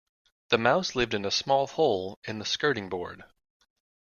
The mouse lived in a small hole in the skirting board